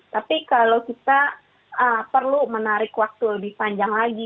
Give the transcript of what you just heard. tapi kalau kita perlu menarik waktu lebih panjang lagi